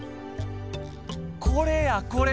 これやこれ。